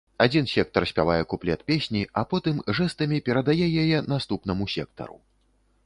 Адзін сектар спявае куплет песні, а потым жэстамі перадае яе наступнаму сектару.